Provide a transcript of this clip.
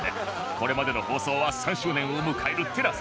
これまでの放送は３周年を迎える ＴＥＬＡＳＡ でぜひ